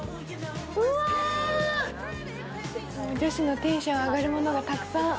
うわ、女子のテンション上がるものがたくさん。